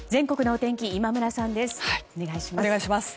お願いします。